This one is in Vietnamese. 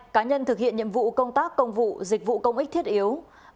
cá nhân thực hiện nhiệm vụ công tác công vụ dịch vụ công ích thiết yếu